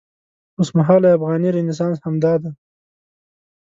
اوسمهالی افغاني رنسانس همدا دی.